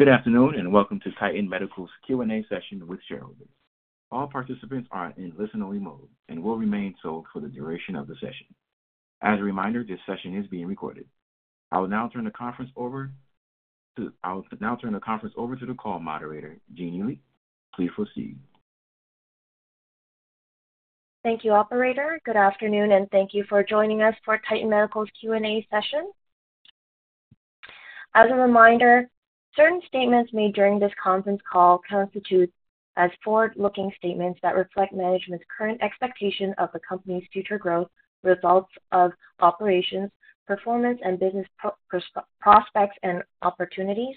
Good afternoon, and welcome to Titan Medical's Q&A session with shareholders. All participants are in listen-only mode and will remain so for the duration of the session. As a reminder, this session is being recorded. I will now turn the conference over to the call moderator, Jeanne Lee. Please proceed. Thank you, operator. Good afternoon, and thank you for joining us for Titan Medical's Q&A session. As a reminder, certain statements made during this conference call constitute as forward-looking statements that reflect management's current expectation of the company's future growth, results of operations, performance and business prospects and opportunities.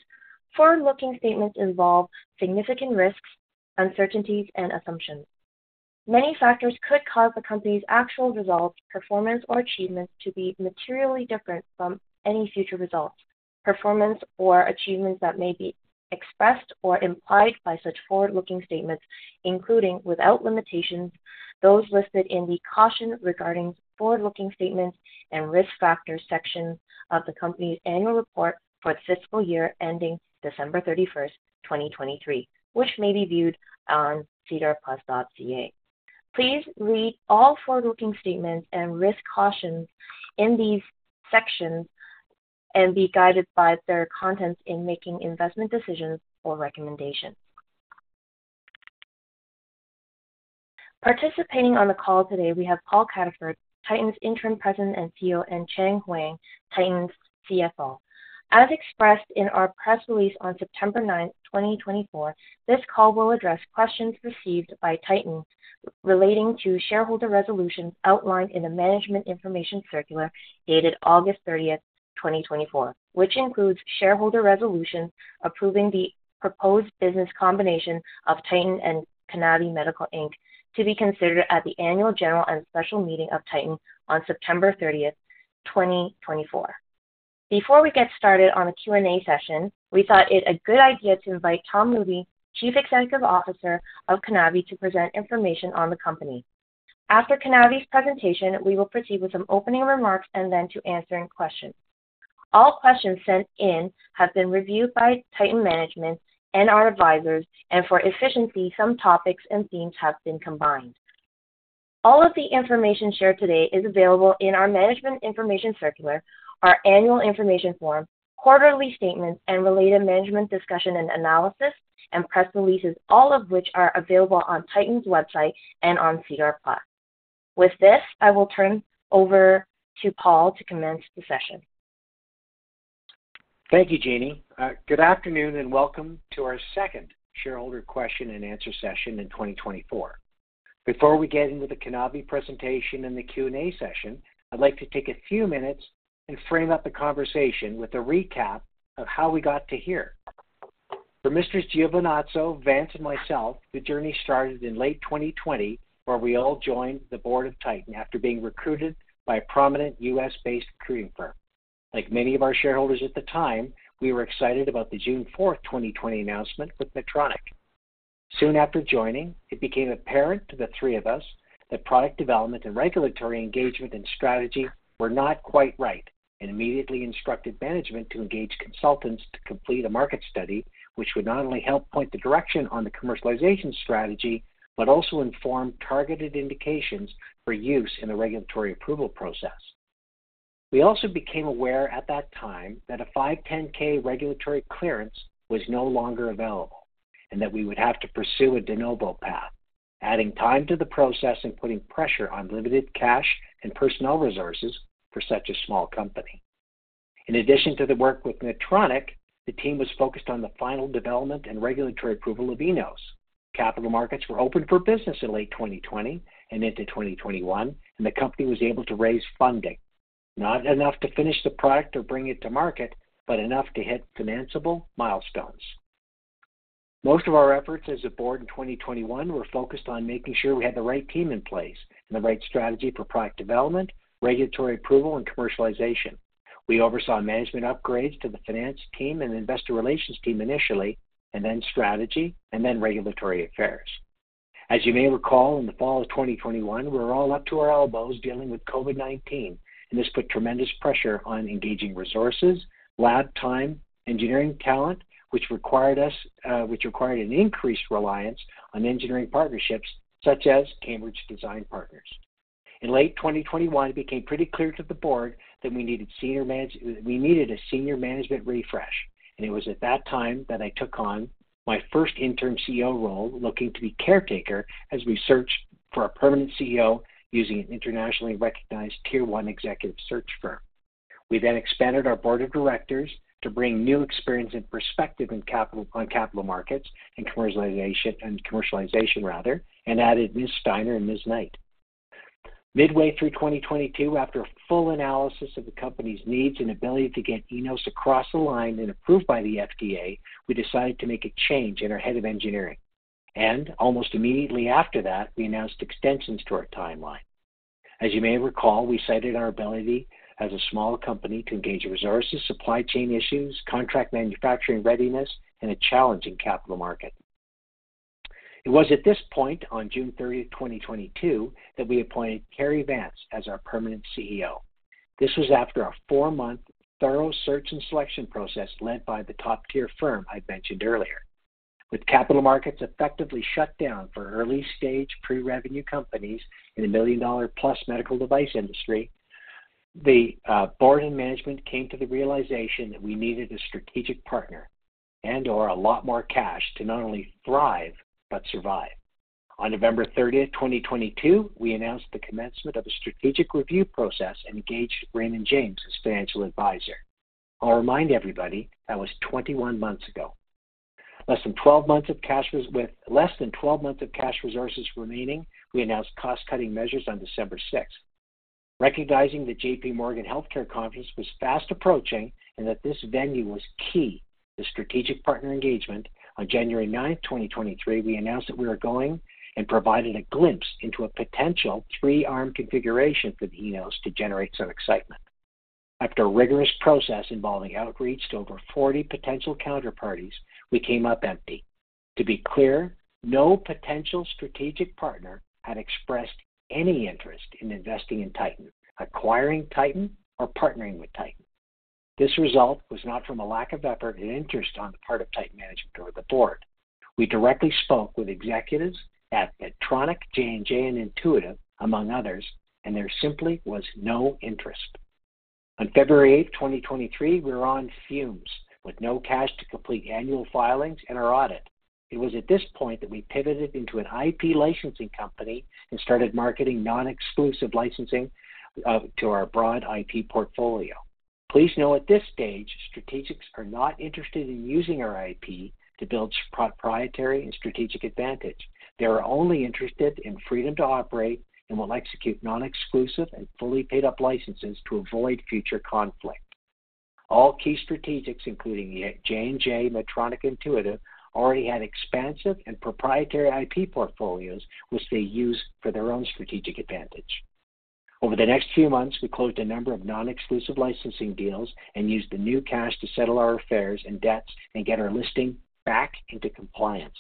Forward-looking statements involve significant risks, uncertainties, and assumptions. Many factors could cause the company's actual results, performance, or achievements to be materially different from any future results, performance, or achievements that may be expressed or implied by such forward-looking statements, including, without limitation, those listed in the Caution Regarding Forward-Looking Statements and Risk Factors section of the company's annual report for the fiscal year ending December 31st, 2023, which may be viewed on sedarplus.ca. Please read all forward-looking statements and risk cautions in these sections and be guided by their contents in making investment decisions or recommendations. Participating on the call today, we have Paul Cataford, Titan's Interim President and CEO, and Chien Huang, Titan's CFO. As expressed in our press release on September 9th, 2024, this call will address questions received by Titan relating to shareholder resolutions outlined in the Management Information Circular dated August 30th, 2024, which includes shareholder resolutions approving the proposed business combination of Titan and Conavi Medical Inc., to be considered at the annual general and special meeting of Titan on September 30th, 2024. Before we get started on the Q&A session, we thought it a good idea to invite Tom Luby, Chief Executive Officer of Conavi, to present information on the company. After Conavi's presentation, we will proceed with some opening remarks and then to answering questions. All questions sent in have been reviewed by Titan management and our advisors, and for efficiency, some topics and themes have been combined. All of the information shared today is available in our Management Information Circular, our Annual Information Form, quarterly statements, and related management discussion and analysis, and press releases, all of which are available on Titan's website and on SEDAR+. With this, I will turn over to Paul to commence the session. Thank you, Jeanne. Good afternoon, and welcome to our second shareholder question and answer session in 2024. Before we get into the Conavi presentation and the Q&A session, I'd like to take a few minutes and frame up the conversation with a recap of how we got to here. For Mr. Giovinazzo, Vance, and myself, the journey started in late twenty twenty, where we all joined the board of Titan after being recruited by a prominent U.S.-based recruiting firm. Like many of our shareholders at the time, we were excited about the June 4th, 2020 announcement with Medtronic. Soon after joining, it became apparent to the three of us that product development and regulatory engagement and strategy were not quite right, and immediately instructed management to engage consultants to complete a market study, which would not only help point the direction on the commercialization strategy, but also inform targeted indications for use in the regulatory approval process. We also became aware at that time that a 510(k) regulatory clearance was no longer available, and that we would have to pursue a de novo path, adding time to the process and putting pressure on limited cash and personnel resources for such a small company. In addition to the work with Medtronic, the team was focused on the final development and regulatory approval of Enos. Capital markets were open for business in late 2020 and into 2021, and the company was able to raise funding, not enough to finish the product or bring it to market, but enough to hit financeable milestones. Most of our efforts as a board in 2021 were focused on making sure we had the right team in place and the right strategy for product development, regulatory approval, and commercialization. We oversaw management upgrades to the finance team and investor relations team initially, and then strategy, and then regulatory affairs. As you may recall, in the fall of 2021, we were all up to our elbows dealing with COVID-19, and this put tremendous pressure on engaging resources, lab time, engineering talent, which required an increased reliance on engineering partnerships such as Cambridge Design Partnership. In late 2021, it became pretty clear to the board that we needed a senior management refresh, and it was at that time that I took on my first interim CEO role, looking to be caretaker as we searched for a permanent CEO using an internationally recognized tier one executive search firm. We then expanded our board of directors to bring new experience and perspective on capital markets and commercialization rather, and added Ms. Steiner and Ms. Knight. Midway through 2022, after a full analysis of the company's needs and ability to get Enos across the line and approved by the FDA, we decided to make a change in our head of engineering. Almost immediately after that, we announced extensions to our timeline. As you may recall, we cited our ability as a smaller company to engage resources, supply chain issues, contract manufacturing readiness, and a challenging capital market. It was at this point, on June 30th, 2022, that we appointed Cary Vance as our permanent CEO. This was after a four-month thorough search and selection process led by the top-tier firm I mentioned earlier. With capital markets effectively shut down for early-stage pre-revenue companies in the million-dollar plus medical device industry, the board and management came to the realization that we needed a strategic partner and/or a lot more cash to not only thrive but survive. On November 30th, 2022, we announced the commencement of a strategic review process and engaged Raymond James as financial advisor. I'll remind everybody, that was twenty-one months ago. With less than 12 months of cash resources remaining, we announced cost-cutting measures on December 6th. Recognizing the J.P. Morgan Healthcare Conference was fast approaching, and that this venue was key to strategic partner engagement, on January 9th, 2023, we announced that we were going and providing a glimpse into a potential three-arm configuration for the Enos to generate some excitement. After a rigorous process involving outreach to over 40 potential counterparties, we came up empty. To be clear, no potential strategic partner had expressed any interest in investing in Titan, acquiring Titan, or partnering with Titan. This result was not from a lack of effort and interest on the part of Titan management or the board. We directly spoke with executives at Medtronic, J&J, and Intuitive, among others, and there simply was no interest. On February 8th, 2023, we were on fumes, with no cash to complete annual filings and our audit. It was at this point that we pivoted into an IP licensing company and started marketing non-exclusive licensing to our broad IP portfolio. Please know at this stage, strategics are not interested in using our IP to build proprietary and strategic advantage. They are only interested in freedom to operate and will execute non-exclusive and fully paid-up licenses to avoid future conflict. All key strategics, including J&J, Medtronic, Intuitive, already had expansive and proprietary IP portfolios, which they use for their own strategic advantage. Over the next few months, we closed a number of non-exclusive licensing deals and used the new cash to settle our affairs and debts and get our listing back into compliance.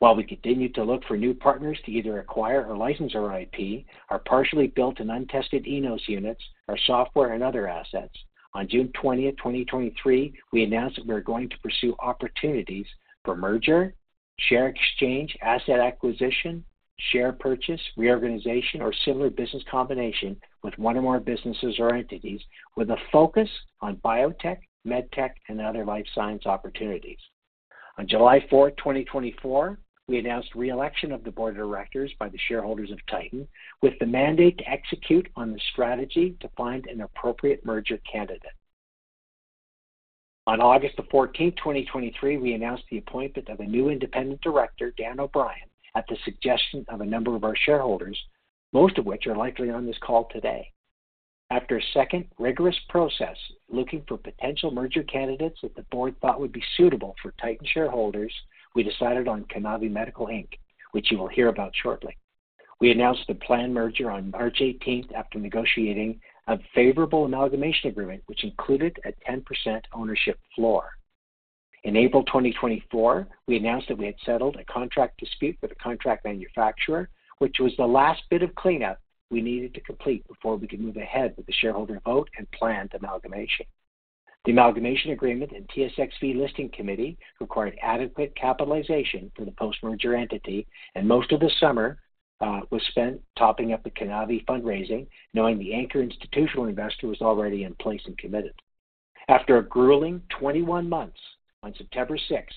While we continued to look for new partners to either acquire or license our IP, our partially built and untested Enos units, our software and other assets, on June 20th, 2023, we announced that we are going to pursue opportunities for merger, share exchange, asset acquisition, share purchase, reorganization, or similar business combination with one or more businesses or entities, with a focus on biotech, medtech, and other life science opportunities. On July 4th, 2024, we announced re-election of the board of directors by the shareholders of Titan, with the mandate to execute on the strategy to find an appropriate merger candidate. On August 14th, 2023, we announced the appointment of a new independent director, Dan O'Brien, at the suggestion of a number of our shareholders, most of which are likely on this call today. After a second rigorous process, looking for potential merger candidates that the board thought would be suitable for Titan shareholders, we decided on Conavi Medical Inc., which you will hear about shortly. We announced the planned merger on March 18th after negotiating a favorable amalgamation agreement, which included a 10% ownership floor. In April 2024, we announced that we had settled a contract dispute with a contract manufacturer, which was the last bit of cleanup we needed to complete before we could move ahead with the shareholder vote and planned amalgamation. The amalgamation agreement and TSXV listing committee required adequate capitalization for the post-merger entity, and most of the summer was spent topping up the Conavi fundraising, knowing the anchor institutional investor was already in place and committed. After a grueling twenty-one months, on September sixth,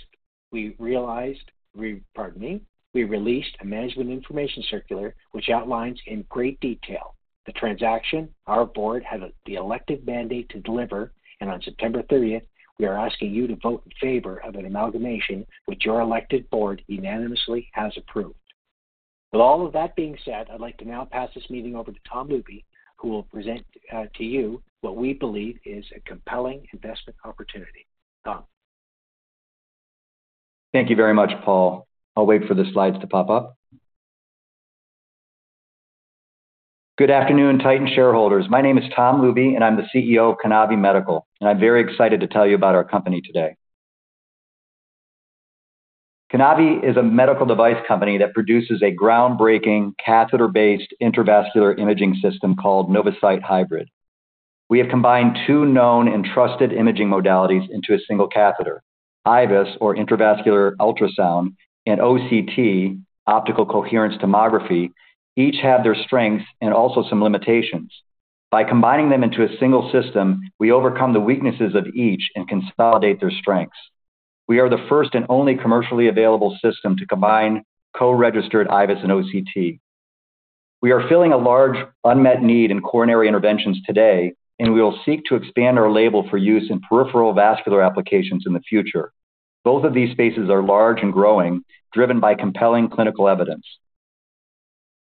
we realized we, pardon me. We released a management information circular, which outlines in great detail the transaction our board had the elected mandate to deliver, and on September 30th, we are asking you to vote in favor of an amalgamation which your elected board unanimously has approved. With all of that being said, I'd like to now pass this meeting over to Tom Luby, who will present to you what we believe is a compelling investment opportunity. Tom? Thank you very much, Paul. I'll wait for the slides to pop up. Good afternoon, Titan shareholders. My name is Tom Luby, and I'm the CEO of Conavi Medical, and I'm very excited to tell you about our company today. Conavi is a medical device company that produces a groundbreaking catheter-based intravascular imaging system called Novasight Hybrid. We have combined two known and trusted imaging modalities into a single catheter, IVUS, or intravascular ultrasound, and OCT, optical coherence tomography. Each have their strengths and also some limitations. By combining them into a single system, we overcome the weaknesses of each and consolidate their strengths. We are the first and only commercially available system to combine co-registered IVUS and OCT. We are filling a large unmet need in coronary interventions today, and we will seek to expand our label for use in peripheral vascular applications in the future. Both of these spaces are large and growing, driven by compelling clinical evidence.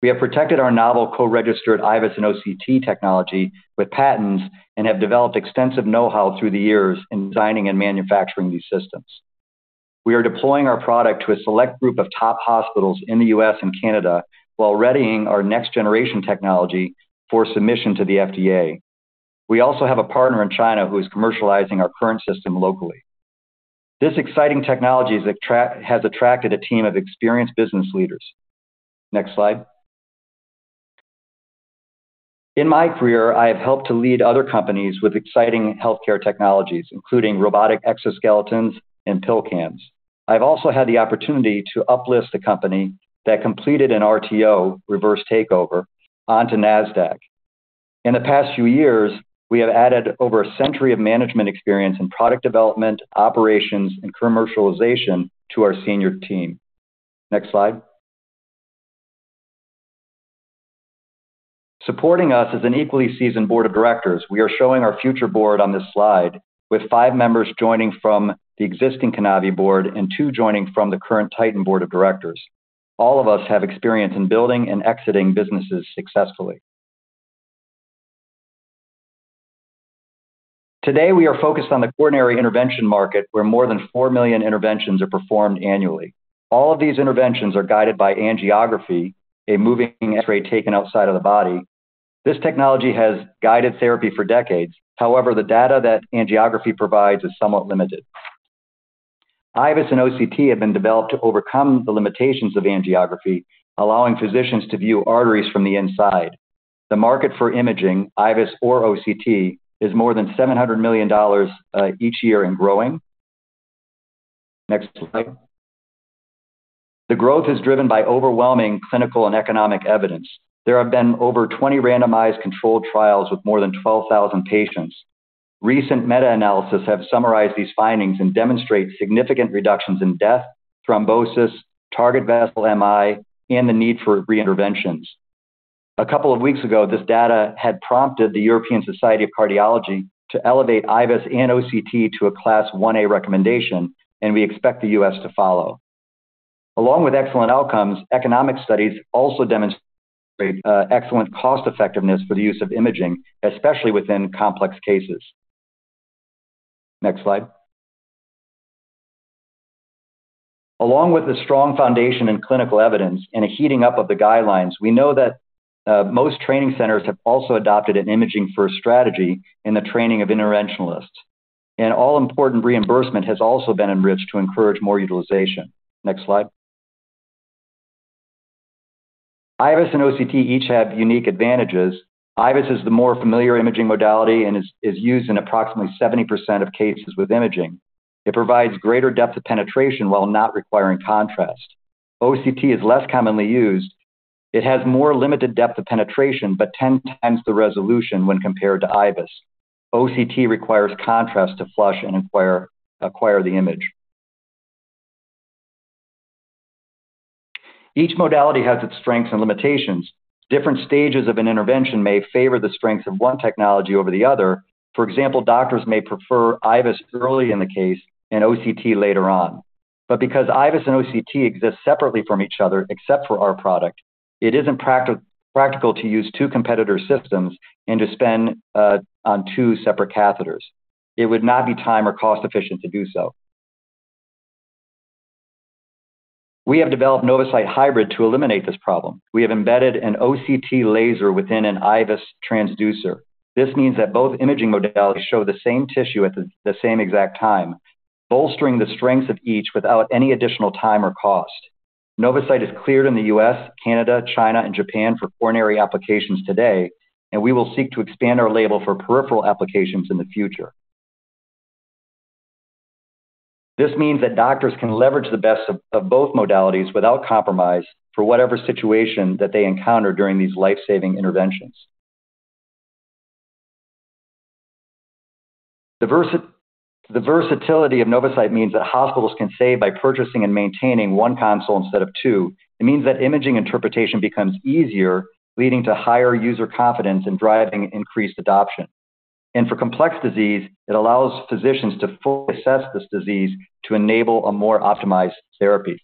We have protected our novel co-registered IVUS and OCT technology with patents and have developed extensive know-how through the years in designing and manufacturing these systems. We are deploying our product to a select group of top hospitals in the U.S. and Canada while readying our next-generation technology for submission to the FDA. We also have a partner in China who is commercializing our current system locally. This exciting technology has attracted a team of experienced business leaders. Next slide. In my career, I have helped to lead other companies with exciting healthcare technologies, including robotic exoskeletons and pill cams. I've also had the opportunity to uplist a company that completed an RTO, reverse takeover, onto NASDAQ. In the past few years, we have added over a century of management experience in product development, operations, and commercialization to our senior team. Next slide. Supporting us is an equally seasoned board of directors. We are showing our future board on this slide, with five members joining from the existing Conavi board and two joining from the current Titan board of directors. All of us have experience in building and exiting businesses successfully. Today, we are focused on the coronary intervention market, where more than four million interventions are performed annually. All of these interventions are guided by angiography, a moving X-ray taken outside of the body. This technology has guided therapy for decades. However, the data that angiography provides is somewhat limited. IVUS and OCT have been developed to overcome the limitations of angiography, allowing physicians to view arteries from the inside. The market for imaging, IVUS or OCT, is more than $700 million each year and growing. Next slide. The growth is driven by overwhelming clinical and economic evidence. There have been over 20 randomized controlled trials with more than 12,000 patients. Recent meta-analysis have summarized these findings and demonstrate significant reductions in death, thrombosis, target vessel MI, and the need for reinterventions. A couple of weeks ago, this data had prompted the European Society of Cardiology to elevate IVUS and OCT to a Class IA recommendation, and we expect the U.S. to follow. Along with excellent outcomes, economic studies also demonstrate excellent cost effectiveness for the use of imaging, especially within complex cases. Next slide. Along with a strong foundation in clinical evidence and a heating up of the guidelines, we know that most training centers have also adopted an imaging-first strategy in the training of interventionalists. And all-important reimbursement has also been enriched to encourage more utilization. Next slide. IVUS and OCT each have unique advantages. IVUS is the more familiar imaging modality and is used in approximately 70% of cases with imaging. It provides greater depth of penetration while not requiring contrast. OCT is less commonly used. It has more limited depth of penetration, but ten times the resolution when compared to IVUS. OCT requires contrast to flush and acquire the image. Each modality has its strengths and limitations. Different stages of an intervention may favor the strengths of one technology over the other. For example, doctors may prefer IVUS early in the case and OCT later on. But because IVUS and OCT exist separately from each other, except for our product, it isn't practical to use two competitor systems and to spend on two separate catheters. It would not be time or cost efficient to do so. We have developed Novasight Hybrid to eliminate this problem. We have embedded an OCT laser within an IVUS transducer. This means that both imaging modalities show the same tissue at the same exact time, bolstering the strengths of each without any additional time or cost. Novasight is cleared in the U.S., Canada, China, and Japan for coronary applications today, and we will seek to expand our label for peripheral applications in the future. This means that doctors can leverage the best of both modalities without compromise for whatever situation that they encounter during these life-saving interventions. The versatility of Novasight means that hospitals can save by purchasing and maintaining one console instead of two. It means that imaging interpretation becomes easier, leading to higher user confidence and driving increased adoption. And for complex disease, it allows physicians to fully assess this disease to enable a more optimized therapy.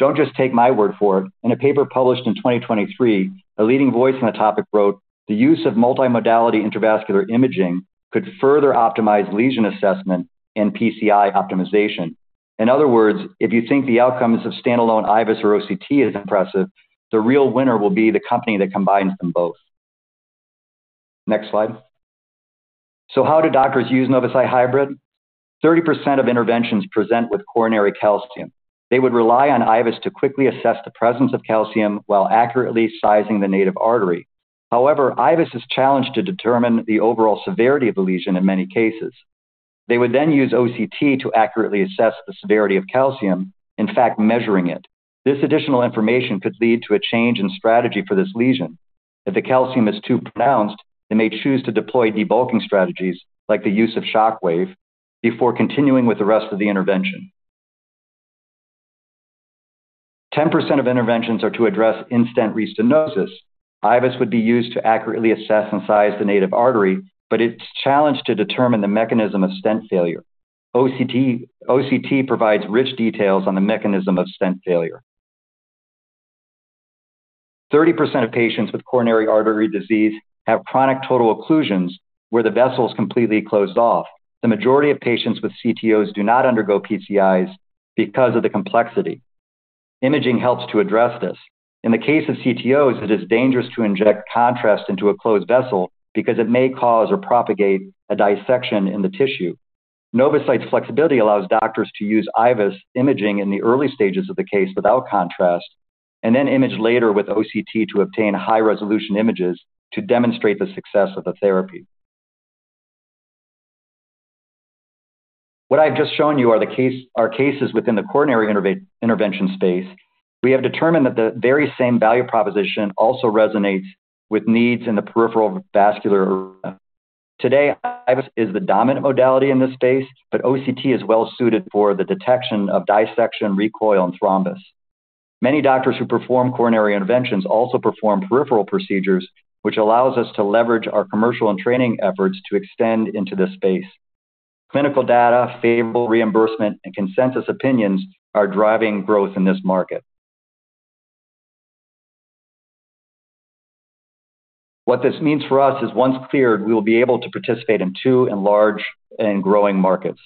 Don't just take my word for it. In a paper published in 2023, a leading voice on the topic wrote, "The use of multimodality intravascular imaging could further optimize lesion assessment and PCI optimization." In other words, if you think the outcomes of standalone IVUS or OCT is impressive, the real winner will be the company that combines them both. Next slide. So how do doctors use Novasight Hybrid? 30% of interventions present with coronary calcium. They would rely on IVUS to quickly assess the presence of calcium while accurately sizing the native artery. However, IVUS is challenged to determine the overall severity of the lesion in many cases. They would then use OCT to accurately assess the severity of calcium, in fact, measuring it. This additional information could lead to a change in strategy for this lesion. If the calcium is too pronounced, they may choose to deploy debulking strategies, like the use of Shockwave, before continuing with the rest of the intervention. 10% of interventions are to address in-stent restenosis. IVUS would be used to accurately assess and size the native artery, but it's challenged to determine the mechanism of stent failure. OCT provides rich details on the mechanism of stent failure. 30% of patients with coronary artery disease have chronic total occlusions, where the vessel is completely closed off. The majority of patients with CTOs do not undergo PCIs because of the complexity. Imaging helps to address this. In the case of CTOs, it is dangerous to inject contrast into a closed vessel because it may cause or propagate a dissection in the tissue. Novasight's flexibility allows doctors to use IVUS imaging in the early stages of the case without contrast, and then image later with OCT to obtain high-resolution images to demonstrate the success of the therapy. What I've just shown you are the cases within the coronary intervention space. We have determined that the very same value proposition also resonates with needs in the peripheral vascular area. Today, IVUS is the dominant modality in this space, but OCT is well suited for the detection of dissection, recoil, and thrombus. Many doctors who perform coronary interventions also perform peripheral procedures, which allows us to leverage our commercial and training efforts to extend into this space. Clinical data, favorable reimbursement, and consensus opinions are driving growth in this market. What this means for us is, once cleared, we will be able to participate in two enlarged and growing markets.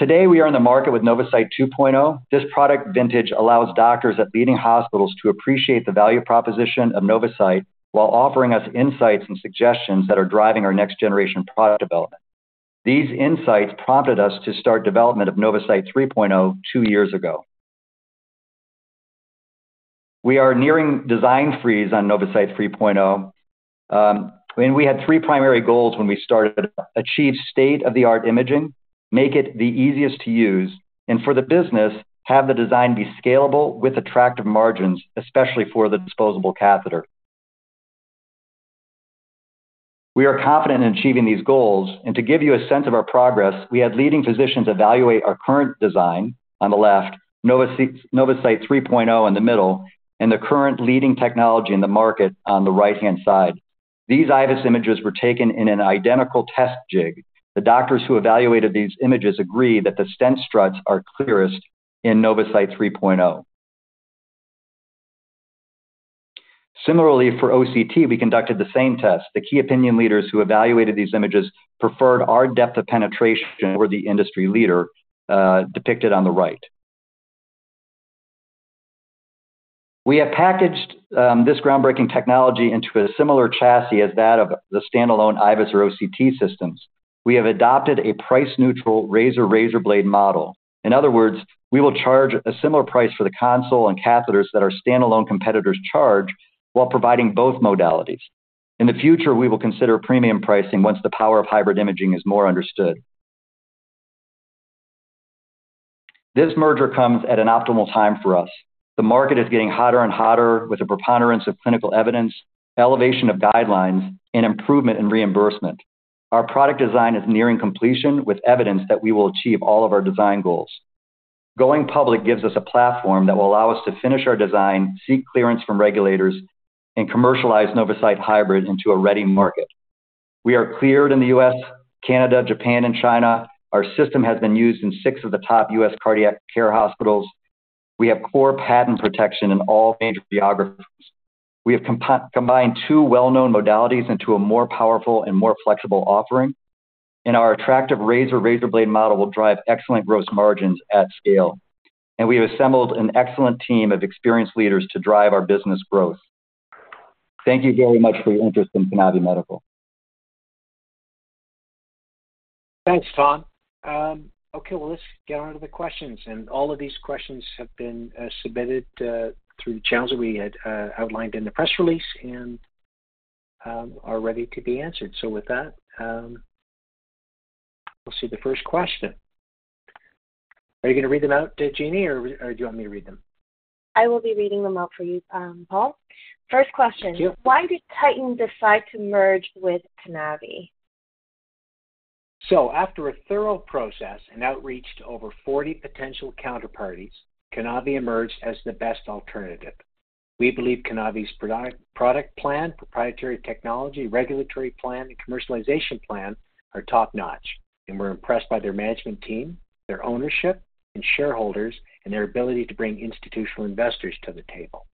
Today, we are in the market with Novasight 2.0. This product vintage allows doctors at leading hospitals to appreciate the value proposition of Novasight while offering us insights and suggestions that are driving our next-generation product development. These insights prompted us to start development of Novasight 3.0 two years ago. We are nearing design freeze on Novasight 3.0, and we had three primary goals when we started: achieve state-of-the-art imaging, make it the easiest to use, and for the business, have the design be scalable with attractive margins, especially for the disposable catheter. We are confident in achieving these goals, and to give you a sense of our progress, we had leading physicians evaluate our current design on the left, Novasight 3.0 in the middle, and the current leading technology in the market on the right-hand side. These IVUS images were taken in an identical test jig. The doctors who evaluated these images agreed that the stent struts are clearest in Novasight 3.0. Similarly, for OCT, we conducted the same test. The key opinion leaders who evaluated these images preferred our depth of penetration over the industry leader, depicted on the right. We have packaged this groundbreaking technology into a similar chassis as that of the standalone IVUS or OCT systems. We have adopted a price-neutral razor-razorblade model. In other words, we will charge a similar price for the console and catheters that our standalone competitors charge while providing both modalities. In the future, we will consider premium pricing once the power of hybrid imaging is more understood. This merger comes at an optimal time for us. The market is getting hotter and hotter, with a preponderance of clinical evidence, elevation of guidelines, and improvement in reimbursement. Our product design is nearing completion, with evidence that we will achieve all of our design goals. Going public gives us a platform that will allow us to finish our design, seek clearance from regulators, and commercialize Novasight hybrid into a ready market. We are cleared in the U.S., Canada, Japan, and China. Our system has been used in six of the top U.S. cardiac care hospitals. We have core patent protection in all major geographies. We have combined two well-known modalities into a more powerful and more flexible offering, and our attractive razor-razorblade model will drive excellent gross margins at scale, and we have assembled an excellent team of experienced leaders to drive our business growth. Thank you very much for your interest in Conavi Medical. Thanks, Tom. Okay, well, let's get on to the questions, and all of these questions have been submitted through the channels that we had outlined in the press release and are ready to be answered. So with that, we'll see the first question. Are you going to read them out, Jeanne, or do you want me to read them? I will be reading them out for you, Paul. Thank you. First question: Why did Titan decide to merge with Conavi? So after a thorough process and outreach to over forty potential counterparties, Conavi emerged as the best alternative. We believe Conavi's product, product plan, proprietary technology, regulatory plan, and commercialization plan are top-notch, and we're impressed by their management team, their ownership and shareholders, and their ability to bring institutional investors to the table.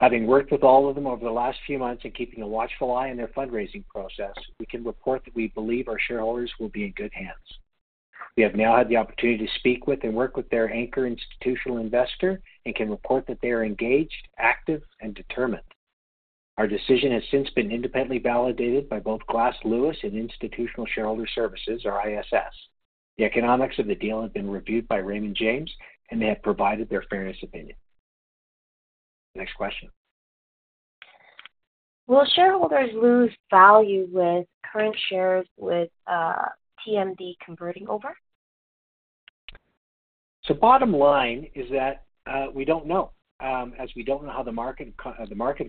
Having worked with all of them over the last few months and keeping a watchful eye on their fundraising process, we can report that we believe our shareholders will be in good hands. We have now had the opportunity to speak with and work with their anchor institutional investor and can report that they are engaged, active, and determined. Our decision has since been independently validated by both Glass Lewis and Institutional Shareholder Services, or ISS. The economics of the deal have been reviewed by Raymond James, and they have provided their fairness opinion. Next question. Will shareholders lose value with current shares with TMD converting over? So bottom line is that we don't know how the market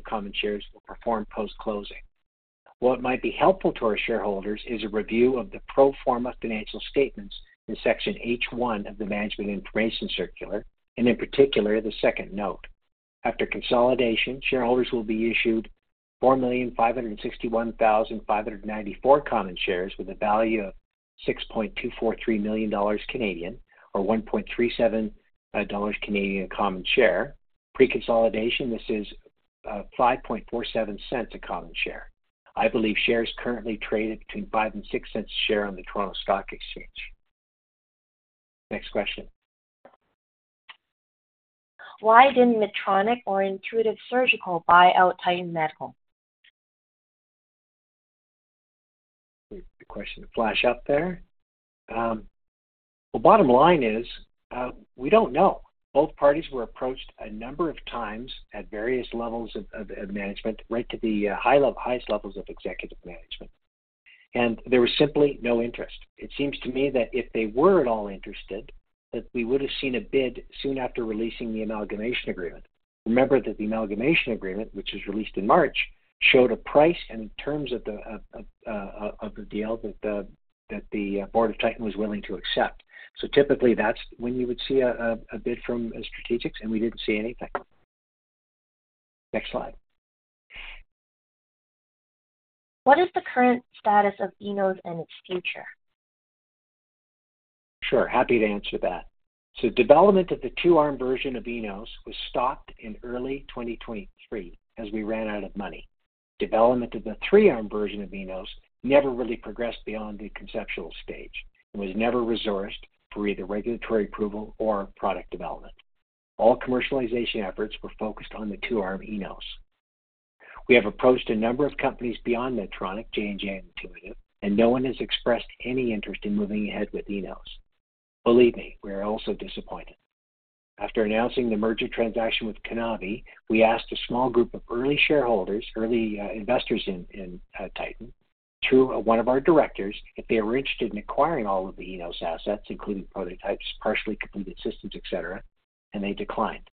common shares will perform post-closing. What might be helpful to our shareholders is a review of the pro forma financial statements in Section H1 of the Management Information Circular and, in particular, the second note. After consolidation, shareholders will be issued 4,561,594 common shares with a value of 6.243 million Canadian dollars, or 1.37 Canadian dollars per common share. Pre-consolidation, this is 0.0547 per common share. I believe shares currently traded between $5 and $6 cents per share on the Toronto Stock Exchange. Next question. Why didn't Medtronic or Intuitive Surgical buy out Titan Medical? Wait for the question to flash up there. The bottom line is, we don't know. Both parties were approached a number of times at various levels of management, right to the high level, highest levels of executive management, and there was simply no interest. It seems to me that if they were at all interested, that we would have seen a bid soon after releasing the amalgamation agreement. Remember that the amalgamation agreement, which was released in March, showed a price and terms of the deal that the board of Titan was willing to accept. So typically, that's when you would see a bid from strategics, and we didn't see anything. Next slide. What is the current status of Enos and its future? Sure, happy to answer that. So development of the two-arm version of Enos was stopped in early 2023 as we ran out of money. Development of the three-arm version of Enos never really progressed beyond the conceptual stage and was never resourced for either regulatory approval or product development. All commercialization efforts were focused on the two-arm Enos. We have approached a number of companies beyond Medtronic, J&J, and Intuitive, and no one has expressed any interest in moving ahead with Enos. Believe me, we are also disappointed. After announcing the merger transaction with Conavi, we asked a small group of early shareholders, early investors in Titan, through one of our directors, if they were interested in acquiring all of the Enos assets, including prototypes, partially completed systems, et cetera, and they declined.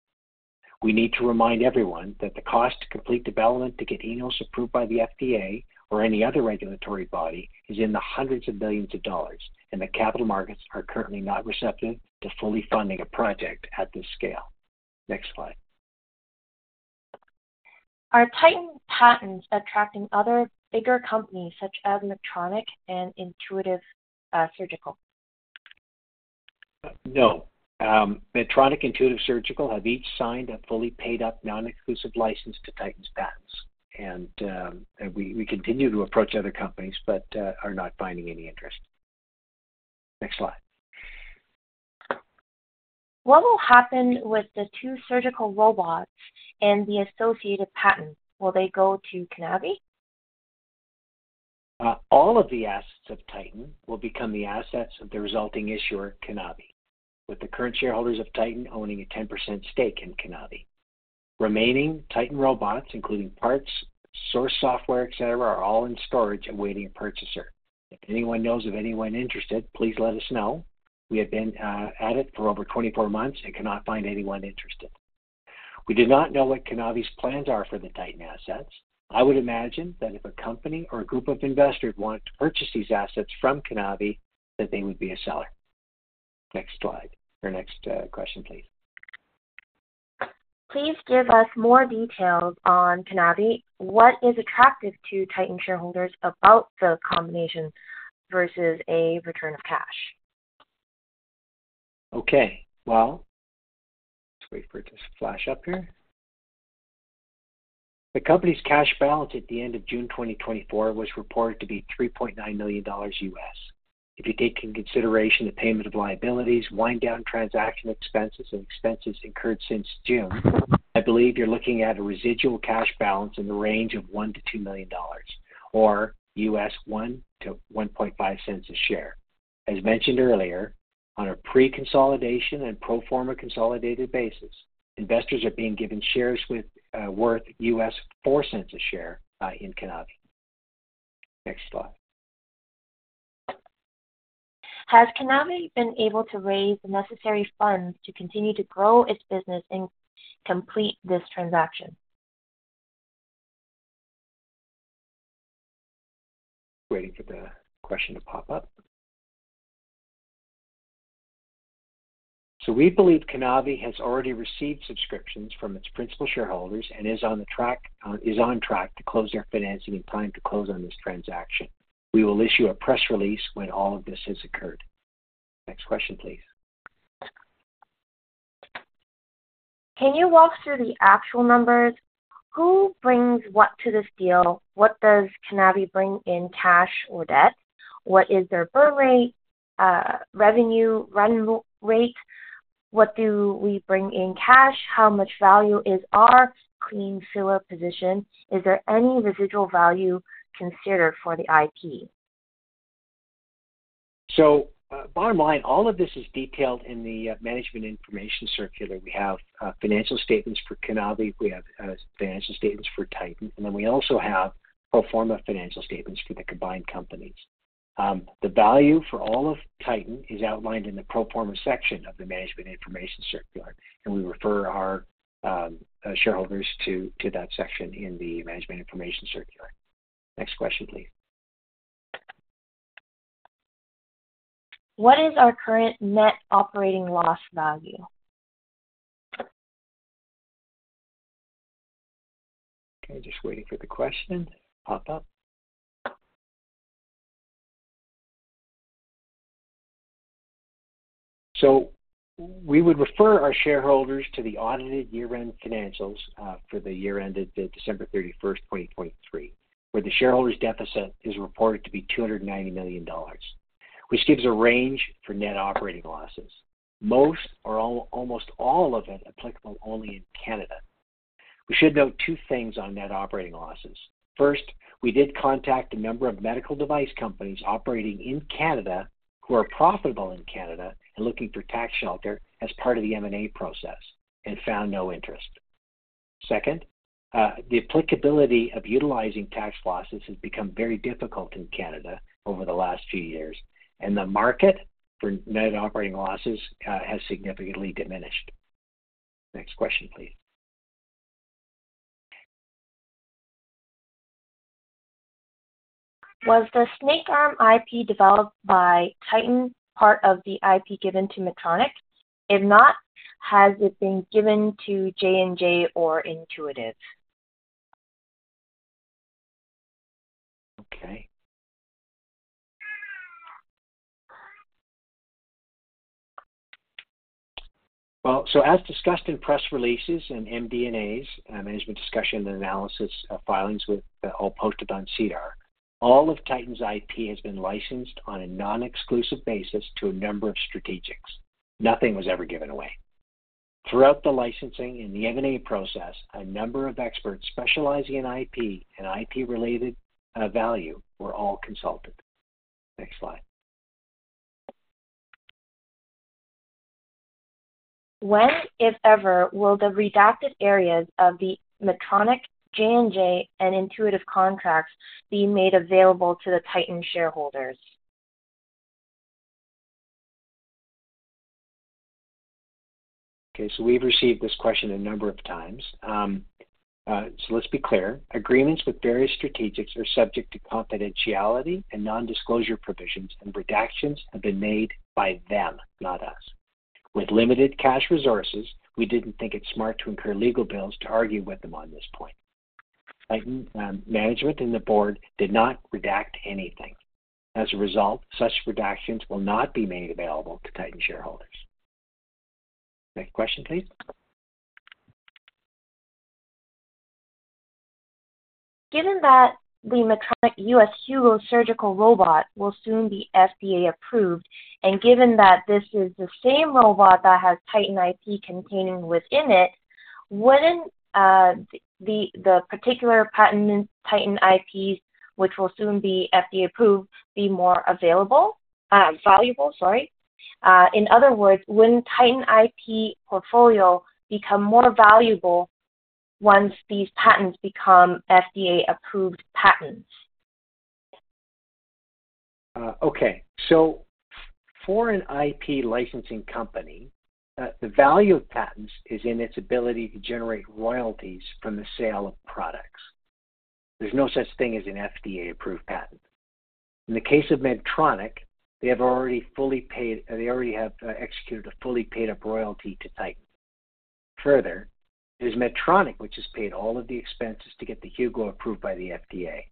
We need to remind everyone that the cost to complete development to get Enos approved by the FDA or any other regulatory body is in the hundreds of millions of dollars, and the capital markets are currently not receptive to fully funding a project at this scale. Next slide. Are Titan's patents attracting other bigger companies such as Medtronic and Intuitive Surgical? No. Medtronic, Intuitive Surgical have each signed a fully paid-up, non-exclusive license to Titan's patents, and we continue to approach other companies, but are not finding any interest. Next slide. What will happen with the two surgical robots and the associated patents? Will they go to Conavi? All of the assets of Titan will become the assets of the resulting issuer, Conavi, with the current shareholders of Titan owning a 10% stake in Conavi. Remaining Titan robots, including parts, source, software, et cetera, are all in storage awaiting a purchaser. If anyone knows of anyone interested, please let us know. We have been at it for over twenty-four months and cannot find anyone interested. We do not know what Conavi's plans are for the Titan assets. I would imagine that if a company or a group of investors wanted to purchase these assets from Conavi, that they would be a seller. Next slide, or next question, please. Please give us more details on Conavi. What is attractive to Titan shareholders about the combination versus a return of cash? Okay, well, let's wait for it to flash up here. The company's cash balance at the end of June twenty twenty-four was reported to be $3.9 million. If you take in consideration the payment of liabilities, wind down transaction expenses and expenses incurred since June, I believe you're looking at a residual cash balance in the range of $1 million-$2 million, or $0.01-$0.015 a share. As mentioned earlier, on a pre-consolidation and pro forma consolidated basis, investors are being given shares worth $0.04 a share in Conavi. Next slide. Has Conavi been able to raise the necessary funds to continue to grow its business and complete this transaction? Waiting for the question to pop up. So we believe Conavi has already received subscriptions from its principal shareholders and is on track to close their financing in time to close on this transaction. We will issue a press release when all of this has occurred. Next question, please. Can you walk through the actual numbers? Who brings what to this deal? What does Conavi bring in cash or debt? What is their burn rate, revenue run rate? What do we bring in cash? How much value is our clean filer position? Is there any residual value considered for the IP? So, bottom line, all of this is detailed in the Management Information Circular. We have financial statements for Conavi, we have financial statements for Titan, and then we also have pro forma financial statements for the combined companies. The value for all of Titan is outlined in the pro forma section of the Management Information Circular, and we refer our shareholders to that section in the Management Information Circular. Next question, please. What is our current net operating loss value? Okay, just waiting for the question to pop up. So we would refer our shareholders to the audited year-end financials for the year ended December 31st, 2023, where the shareholders' deficit is reported to be 290 million dollars, which gives a range for net operating losses. Most or all, almost all of it applicable only in Canada. We should note two things on net operating losses. First, we did contact a number of medical device companies operating in Canada who are profitable in Canada and looking for tax shelter as part of the M&A process and found no interest. Second, the applicability of utilizing tax losses has become very difficult in Canada over the last few years, and the market for net operating losses has significantly diminished. Next question, please. Was the Snake Arm IP developed by Titan part of the IP given to Medtronic? If not, has it been given to J&J or Intuitive? Okay. Well, so as discussed in press releases and MD&As, management discussion and analysis of filings, all posted on SEDAR, all of Titan's IP has been licensed on a non-exclusive basis to a number of strategics. Nothing was ever given away. Throughout the licensing and the M&A process, a number of experts specializing in IP and IP-related value were all consulted. Next slide. When, if ever, will the redacted areas of the Medtronic, J&J, and Intuitive contracts be made available to the Titan shareholders? Okay, so we've received this question a number of times. So let's be clear. Agreements with various strategics are subject to confidentiality and non-disclosure provisions, and redactions have been made by them, not us. With limited cash resources, we didn't think it's smart to incur legal bills to argue with them on this point. Titan management and the board did not redact anything. As a result, such redactions will not be made available to Titan shareholders. Next question, please. Given that the Medtronic Hugo surgical robot will soon be FDA approved, and given that this is the same robot that has Titan IP contained within it, wouldn't the particular patent Titan IPs, which will soon be FDA approved, be more valuable? In other words, wouldn't Titan IP portfolio become more valuable once these patents become FDA-approved patents? Okay. So for an IP licensing company, the value of patents is in its ability to generate royalties from the sale of products. There's no such thing as an FDA-approved patent. In the case of Medtronic, they have already executed a fully paid-up royalty to Titan. Further, it is Medtronic, which has paid all of the expenses to get the Hugo approved by the FDA.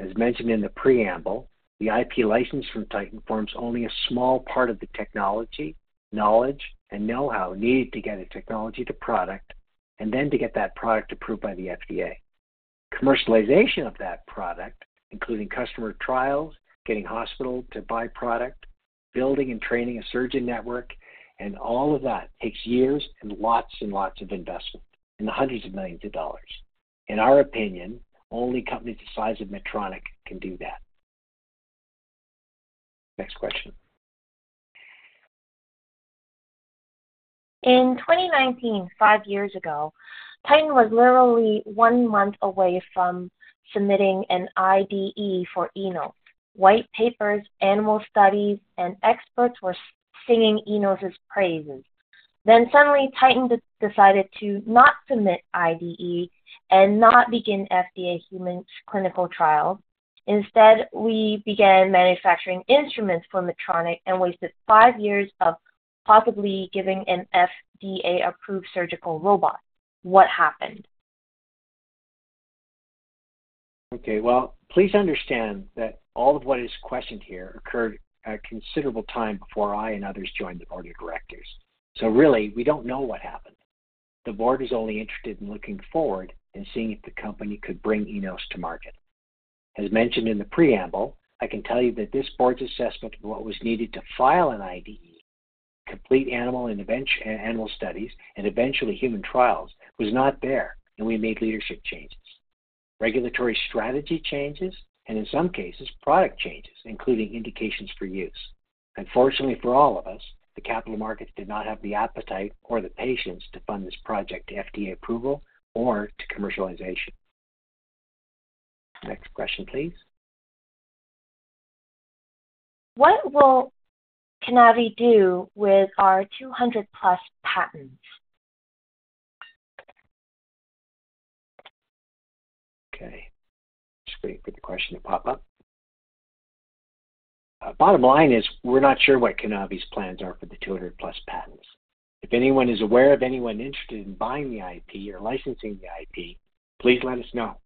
As mentioned in the preamble, the IP license from Titan forms only a small part of the technology, knowledge, and know-how needed to get a technology to product and then to get that product approved by the FDA. Commercialization of that product, including customer trials, getting hospitals to buy product, building and training a surgeon network, and all of that takes years and lots and lots of investment, in the hundreds of millions of dollars. In our opinion, only companies the size of Medtronic can do that. Next question. In 2019, five years ago, Titan was literally one month away from submitting an IDE for Enos. White papers, animal studies, and experts were singing Enos's praises. Then suddenly, Titan decided to not submit IDE and not begin FDA human clinical trial. Instead, we began manufacturing instruments for Medtronic and wasted five years of possibly giving an FDA-approved surgical robot. What happened? Okay, well, please understand that all of what is questioned here occurred a considerable time before I and others joined the board of directors, so really, we don't know what happened. The board is only interested in looking forward and seeing if the company could bring Enos to market. As mentioned in the preamble, I can tell you that this board's assessment of what was needed to file an IDE, complete animal studies, and eventually human trials, was not there, and we made leadership changes, regulatory strategy changes, and in some cases, product changes, including indications for use. Unfortunately for all of us, the capital markets did not have the appetite or the patience to fund this project to FDA approval or to commercialization. Next question, please. What will Conavi do with our 200-plus patents? Okay, just waiting for the question to pop up. Bottom line is, we're not sure what Conavi's plans are for the two hundred-plus patents. If anyone is aware of anyone interested in buying the IP or licensing the IP, please let us know.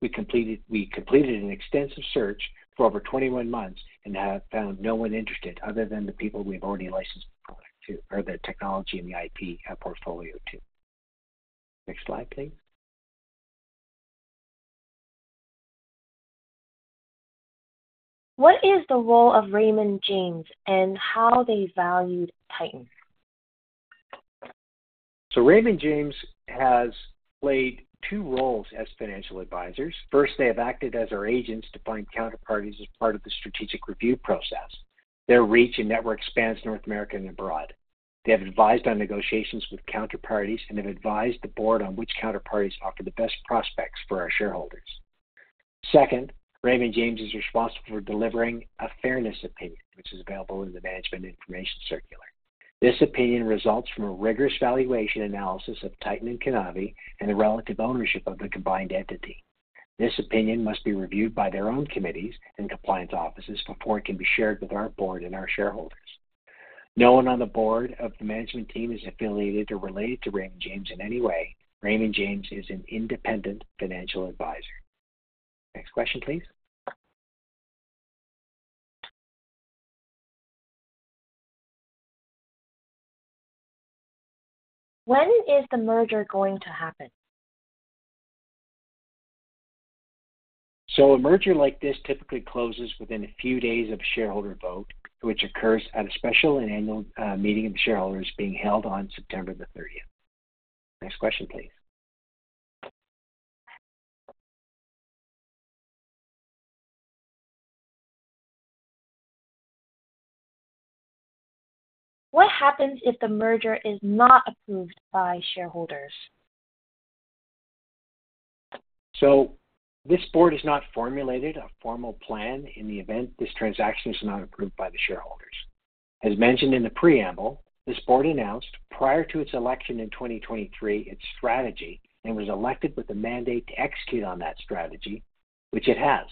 We completed an extensive search for over twenty-one months and have found no one interested other than the people we've already licensed the product to, or the technology and the IP portfolio to. Next slide, please. What is the role of Raymond James and how they valued Titan? Raymond James has played two roles as financial advisors. First, they have acted as our agents to find counterparties as part of the strategic review process. Their reach and network spans North America and abroad. They have advised on negotiations with counterparties and have advised the board on which counterparties offer the best prospects for our shareholders. Second, Raymond James is responsible for delivering a fairness opinion, which is available in the Management Information Circular. This opinion results from a rigorous valuation analysis of Titan and Conavi and the relative ownership of the combined entity. This opinion must be reviewed by their own committees and compliance offices before it can be shared with our board and our shareholders. No one on the board of the management team is affiliated or related to Raymond James in any way. Raymond James is an independent financial advisor. Next question, please. When is the merger going to happen? So a merger like this typically closes within a few days of shareholder vote, which occurs at a special and annual meeting of shareholders being held on September 30th. Next question, please. What happens if the merger is not approved by shareholders? So this board has not formulated a formal plan in the event this transaction is not approved by the shareholders. As mentioned in the preamble, this board announced prior to its election in 2023, its strategy, and was elected with a mandate to execute on that strategy, which it has.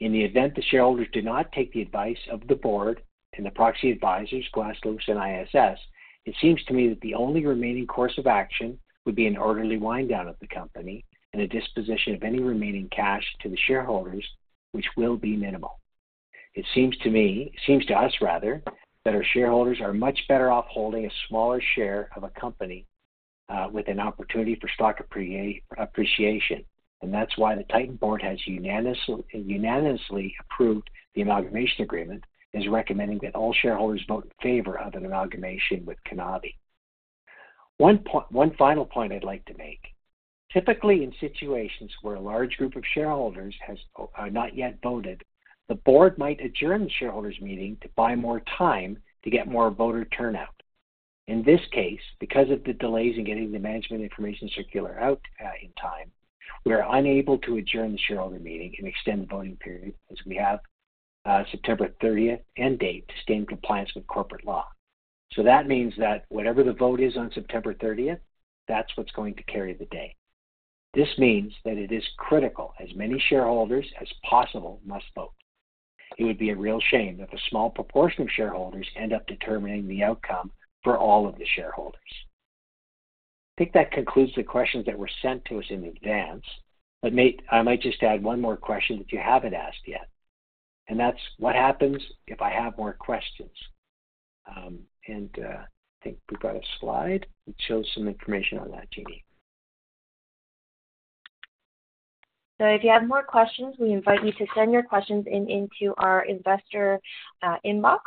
In the event the shareholders do not take the advice of the board and the proxy advisors, Glass Lewis and ISS, it seems to me that the only remaining course of action would be an orderly wind down of the company and a disposition of any remaining cash to the shareholders, which will be minimal. It seems to me, it seems to us, rather, that our shareholders are much better off holding a smaller share of a company with an opportunity for stock appreciation, and that's why the Titan board has unanimously approved the amalgamation agreement, and is recommending that all shareholders vote in favor of an amalgamation with Conavi. One final point I'd like to make. Typically, in situations where a large group of shareholders has not yet voted, the board might adjourn the shareholders meeting to buy more time to get more voter turnout. In this case, because of the delays in getting the management information circular out in time, we are unable to adjourn the shareholder meeting and extend the voting period, as we have September thirtieth end date to stay in compliance with corporate law. That means that whatever the vote is on September 30th, that's what's going to carry the day. This means that it is critical as many shareholders as possible must vote. It would be a real shame if a small proportion of shareholders end up determining the outcome for all of the shareholders. I think that concludes the questions that were sent to us in advance, but I might just add one more question that you haven't asked yet, and that's what happens if I have more questions? I think we've got a slide that shows some information on that, Jeanne. If you have more questions, we invite you to send your questions into our investor inbox.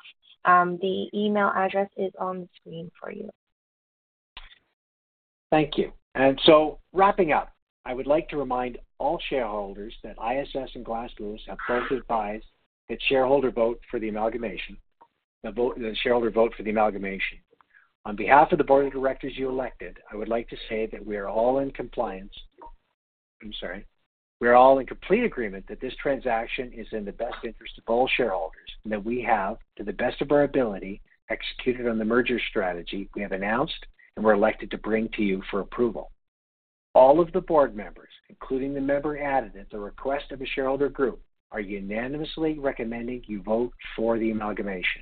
The email address is on the screen for you. Thank you. Wrapping up, I would like to remind all shareholders that ISS and Glass Lewis have both advised that shareholders vote for the amalgamation. The shareholder vote for the amalgamation. On behalf of the board of directors you elected, I would like to say that we are all in complete agreement that this transaction is in the best interest of all shareholders, and that we have, to the best of our ability, executed on the merger strategy we have announced and were elected to bring to you for approval. All of the board members, including the member added at the request of a shareholder group, are unanimously recommending you vote for the amalgamation.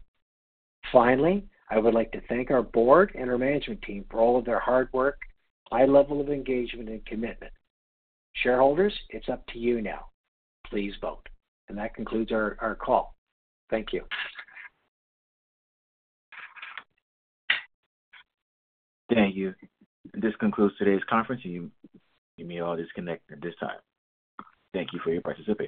Finally, I would like to thank our board and our management team for all of their hard work, high level of engagement, and commitment. Shareholders, it's up to you now. Please vote, and that concludes our call. Thank you. Thank you. This concludes today's conference, and you may all disconnect at this time. Thank you for your participation.